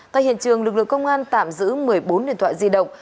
tại hiện trường lực lượng công an tạm giữ một mươi bốn điện thoại di động